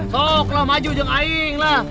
sok lo maju jangan aing lah